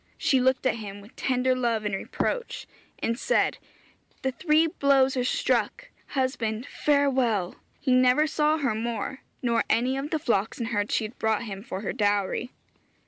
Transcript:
She looked at him with tender love and reproach, and said, 'The three blows are struck husband, farewell!' He never saw her more, nor any of the flocks and herds she had brought him for her dowry. [Illustration: THE GWRAIG OF THE GOLDEN BOAT.